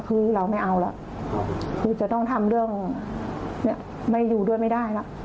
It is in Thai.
คือเราไม่เอาแล้วคือจะต้องทำเรื่องเนี่ยไม่อยู่ด้วยไม่ได้แล้ว